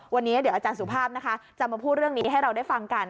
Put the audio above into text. วันนี้เดี๋ยวอาจารย์สุภาพนะคะจะมาพูดเรื่องนี้ให้เราได้ฟังกัน